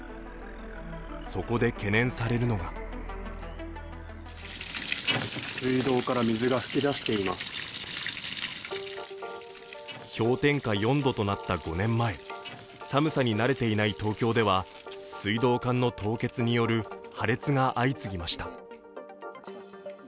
そこで懸念されるのが氷点下４度となった５年前、寒さに慣れていない東京では水道管の凍結による破裂が相次ぎました。